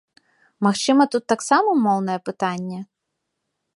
Магчыма, тут таксама моўнае пытанне?